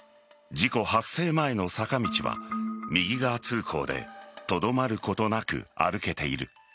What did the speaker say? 事故発生前の坂道は右側通行でとどまることなく歩けている。